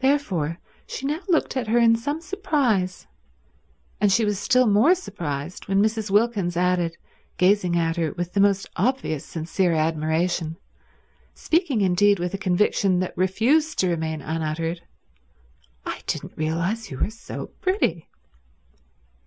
Therefore she now looked at her in some surprise; and she was still more surprised when Mrs. Wilkins added, gazing at her with the most obvious sincere admiration, speaking indeed with a conviction that refused to remain unuttered, "I didn't realize you were so pretty."